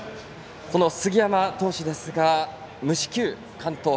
杉山投手ですが無四球完投。